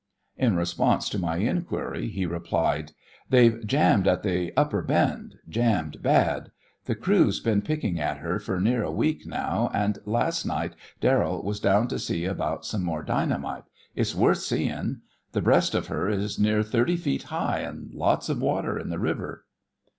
In response to my inquiry, he replied: "They've jammed at the upper bend, jammed bad. The crew's been picking at her for near a week now, and last night Darrell was down to see about some more dynamite. It's worth seein'. The breast of her is near thirty foot high, and lots of water in the river."